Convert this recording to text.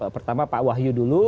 pertama pak wahyu dulu